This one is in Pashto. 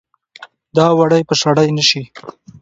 دا وړۍ به شړۍ نه شي